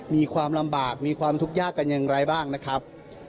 มีความลำบากมีความทุกข์ยากกันอย่างไรบ้างนะครับ